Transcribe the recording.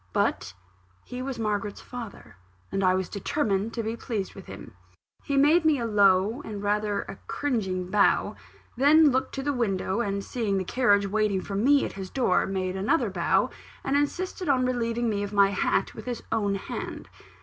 But he was Margaret's father; and I was determined to be pleased with him. He made me a low and rather a cringing bow then looked to the window, and seeing the carriage waiting for me at his door, made another bow, and insisted on relieving me of my hat with his own hand.